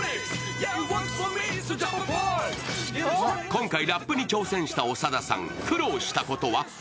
今回ラップに挑戦した長田さん、苦労したことは？